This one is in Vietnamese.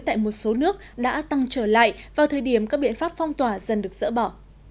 tại một số nước đã tăng trở lại vào thời điểm các biện pháp phong tỏa dần được dỡ bỏ